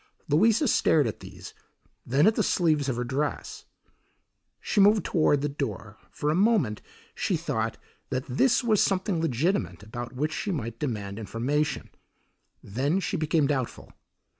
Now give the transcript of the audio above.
Louisa stared at these, then at the sleeves of her dress. She moved toward the door. For a moment she thought that this was something legitimate about which she might demand information; then she became doubtful.